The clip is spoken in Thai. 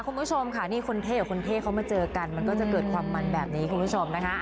คุณผู้ชมค่ะนี่คนเท่กับคนเท่เขามาเจอกันมันก็จะเกิดความมันแบบนี้คุณผู้ชมนะคะ